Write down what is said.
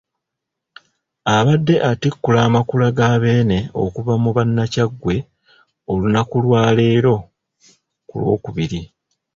Abadde atikkula Amakula ga Beene okuva mu bannakyaggwe olunaku lwa leero ku Lwokubiri.